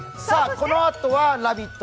このあとは「ラヴィット！」